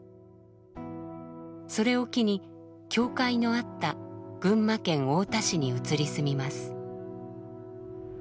それを機に教会のあった群馬県太田市に移り住みます。